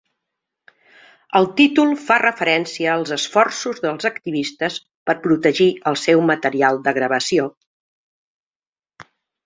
El títol fa referència als esforços dels activistes per protegir el seu material de gravació.